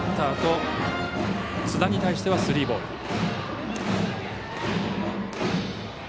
あと津田に対してはスリーボール。